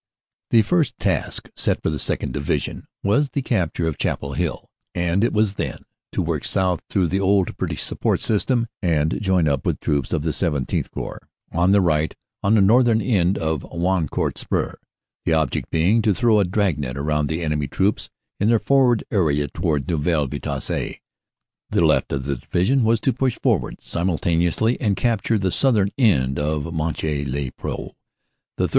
The first task set for the 2nd. Division was the capture of Chapel Hill, and it was then to work south through the old British support system and join up with troops of the XVII Corps on the right on the northern end of Wancourt Spur, the object being to throw a drag net round the enemy troops in their forward area towards Neuville Vitasse. The left of the Division was to push for ward simultaneously and capture the southern end of Monchy le Preux. The 3rd.